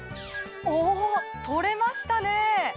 お取れましたね！